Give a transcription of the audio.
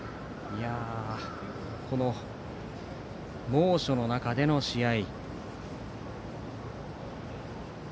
猛暑の中での試合。